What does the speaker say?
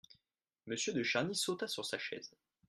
Monsieur de Charny sauta sur sa chaise.